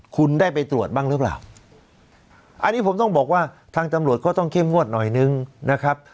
คุณได้ไปตรวจบ้างหรือเปล่าอันนี้ผมต้องบอกว่าทางตำรวจก็ต้องเข้มงวดหน่อยนึงนะครับ